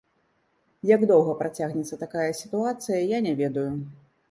Як доўга працягнецца такая сітуацыя, я не ведаю.